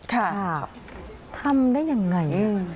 ค่ะทำได้ยังไง